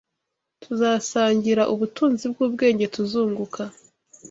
Tuzasangira ubutunzi bw’ubwenge tuzunguka